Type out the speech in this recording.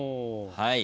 はい。